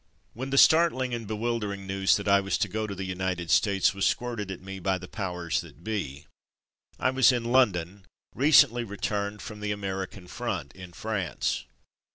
When the startling and bewildering news that I was to go to the United States was squirted at me by the powers that be, I was in London, recently returned from the American front in France.